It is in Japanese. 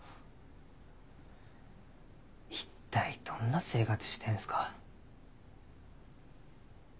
一体どんな生活してんすか。